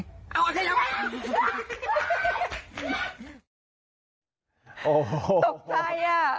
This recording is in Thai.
เอางูไม่ออกทำง